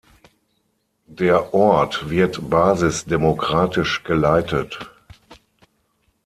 Der Ort wird basisdemokratisch geleitet.